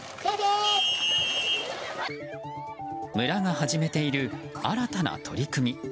村が始めている新たな取り組み。